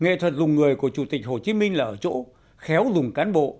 nghệ thuật dùng người của chủ tịch hồ chí minh là ở chỗ khéo dùng cán bộ